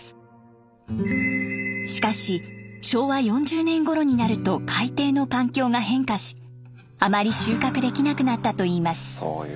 しかし昭和４０年ごろになると海底の環境が変化しあまり収穫できなくなったといいます。